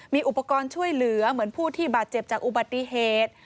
มีอุปกรณ์ช่วยเหลือเหมือนผู้ที่บาดเจ็บจากอุบัติเหตุ